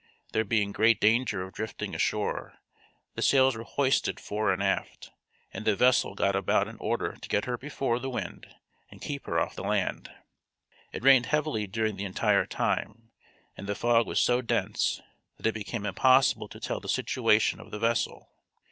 There being great danger of drifting ashore, the sails were hoisted fore and aft, and the vessel got about in order to get her before the wind and keep her off the land. It rained heavily during the entire time, and the fog was so dense that it became impossible to tell the situation of the vessel.